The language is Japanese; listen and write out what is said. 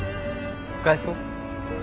使えそう？